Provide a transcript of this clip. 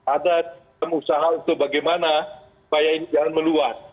ada usaha untuk bagaimana supaya ini jangan meluas